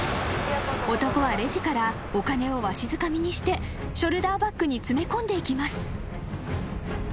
［男はレジからお金をわしづかみにしてショルダーバッグに詰め込んでいきます］